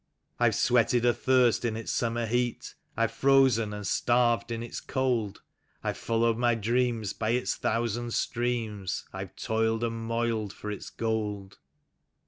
I've sweated athirst in its summer heat, I've frozen and starved in its cold; I've followed my dreams by its thousand streams, I've toiled and moiled for its gold.